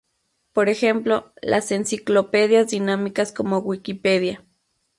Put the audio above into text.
Por ejemplo, las enciclopedias dinámicas como Wikipedia.